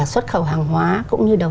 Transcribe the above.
xuất khẩu hàng hóa cũng như đầu